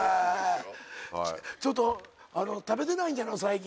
ちょっと食べてないんじゃないの最近。